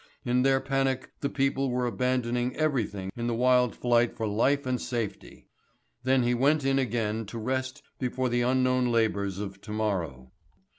In their panic the people were abandoning everything in the wild flight for life and safety. Then he went in again to rest before the unknown labours of to morrow.